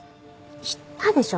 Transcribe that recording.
言ったでしょ。